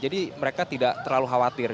jadi mereka tidak terlalu khawatir